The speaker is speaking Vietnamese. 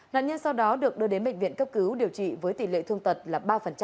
nạn nhân sau đó được đưa đến bệnh viện cấp cứu điều trị với tỷ lệ thương tật là ba